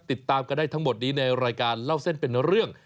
ติดตามกันได้ทั้งหมดนี้ในรายการเล่าเส้นเป็นเรื่อง